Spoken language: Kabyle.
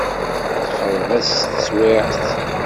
Texreb-as teswiɛt.